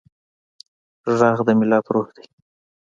غږ د ملت روح دی